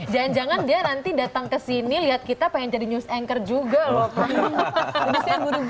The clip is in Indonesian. jangan jangan dia nanti datang ke sini lihat kita pengen jadi news anchor juga loh